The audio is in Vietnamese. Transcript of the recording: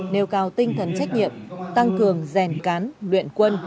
nêu cao tinh thần trách nhiệm tăng cường rèn cán luyện quân